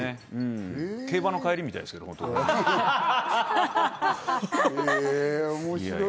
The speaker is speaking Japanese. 競馬の帰りみたいですけど、お互い。